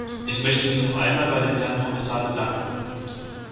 Ich möchte mich noch einmal bei dem Herrn Kommissar bedanken.